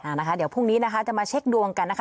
นะคะเดี๋ยวพรุ่งนี้นะคะจะมาเช็คดวงกันนะคะ